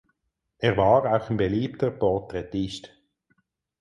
Er war auch ein beliebter Porträtist.